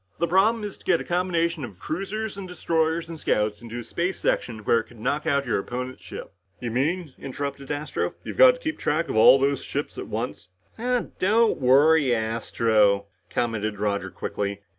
The problem is to get a combination of cruisers and destroyers and scouts into a space section where it could knock out your opponent's ships." "You mean," interrupted Astro, "you've got to keep track of all those ships at once?" "Don't worry, Astro," commented Roger quickly.